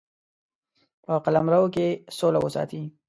په قلمرو کې سوله وساتي.